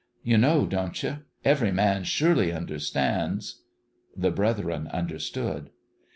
" You know, don't you ?... Every man, surely, understands. ..." The brethren understood.